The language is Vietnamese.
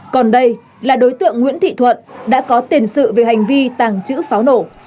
còn đây là đối tượng nguyễn thị thuận đã có tiền sự về hành vi tàng trữ pháo nổ